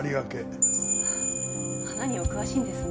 花にお詳しいんですね。